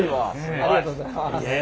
ありがとうございます。